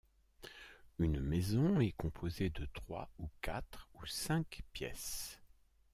une maison est composé de trois ou quatre ou cinq pièces